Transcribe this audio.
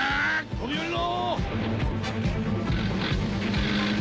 飛び降りろ！